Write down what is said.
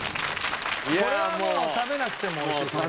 これはもう食べなくても美味しいですね。